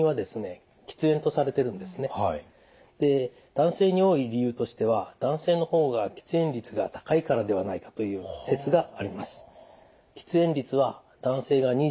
男性に多い理由としては男性の方が喫煙率が高いからではないかという説があります。